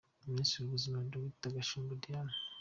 Minisitiri w’Ubuzima : Dr Gashumba Diane